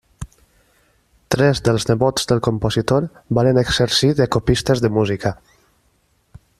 Tres dels nebots del compositor varen exercir de copistes de música.